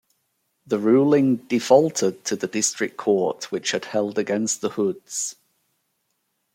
The ruling defaulted to the District Court, which had held against the Hoods.